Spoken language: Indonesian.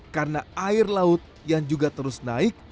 karena air laut yang juga terus naik